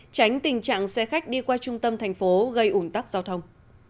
tránh tình trạng xe khách đi qua trung tâm thành phố gây ủn tắc giao thông